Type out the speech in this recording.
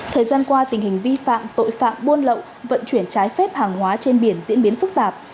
thời gian qua tình hình vi phạm tội phạm buôn lậu vận chuyển trái phép hàng hóa trên biển diễn biến phức tạp